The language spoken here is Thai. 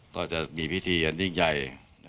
ก็จะมีพิธีอันยิ่งใหญ่